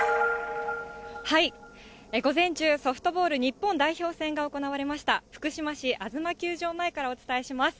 午前中、ソフトボール日本代表戦が行われました福島市あづま球場前からお伝えします。